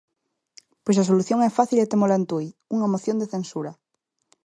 Pois a solución é fácil e témola en Tui: unha moción de censura.